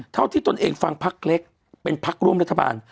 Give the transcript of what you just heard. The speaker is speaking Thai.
เท่าที่ตนเองฟังพักเล็กเป็นพักร่วมรัฐบาล